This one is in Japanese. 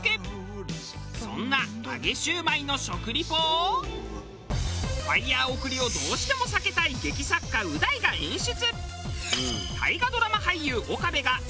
そんな揚げ焼売の食リポをファイヤー送りをどうしても避けたい劇作家う大が演出。